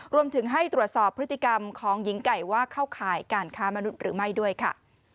รวมถึงให้ตรวจสอบพฤติกรรมของหญิงไก่ว่าเข้าข่ายการค้ามนุษย์หรือไม่ด้วยค่ะ